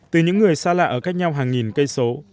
từ những người xa lạ ở cách nhau hàng nghìn cây số